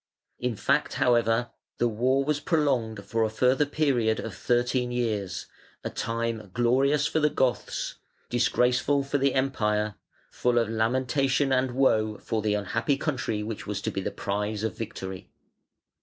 In fact, however, the war was prolonged for a further period of thirteen years, a time glorious for the Goths, disgraceful for the Empire, full of lamentation and woe for the unhappy country which was to be the prize of victory.